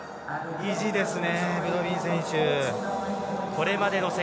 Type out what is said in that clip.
意地ですね。